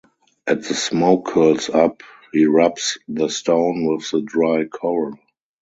As the smoke curls up, he rubs the stone with the dry coral.